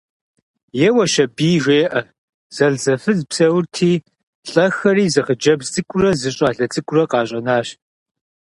Еуэщ аби, жеӏэ: зэлӏзэфыз псэурти, лӏэхэри зы хъыджэбз цӏыкӏурэ зы щӏалэ цӏыкӏурэ къащӏэнащ.